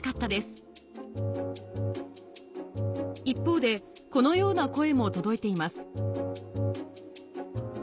一方でこのような声も届いています